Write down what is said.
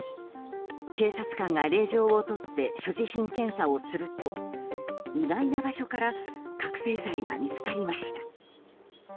警察官が令状を取って所持品検査をすると意外な場所から覚醒剤が見つかりました。